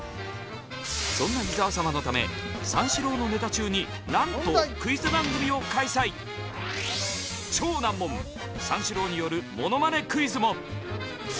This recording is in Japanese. そんな伊沢様のため三四郎のネタ中になんと超難問三四郎によるものまねクイズも。